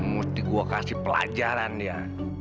mesti gua kasih pelajaran dia